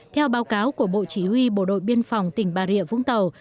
theo báo cáo của bộ chỉ huy bộ đội biên phòng tỉnh bà rịa vũng tàu